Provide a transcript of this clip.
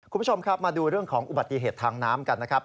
คุณผู้ชมครับมาดูเรื่องของอุบัติเหตุทางน้ำกันนะครับ